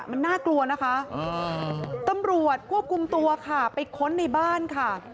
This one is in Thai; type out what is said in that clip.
มันน่ากลัวนะคะตำรวจควบคุมตัวค่ะไปค้นในบ้านค่ะ